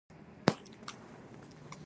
سوغاتونه، نغدي پیسې او کورونه ورکوي.